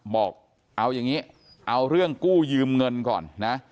บอกเอาอย่างนี้เอาเรื่องกู้ยืมเงินก่อนนะ